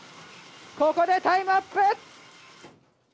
ここでタイムアップ！